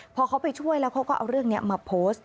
พอเขาไปช่วยแล้วเขาก็เอาเรื่องนี้มาโพสต์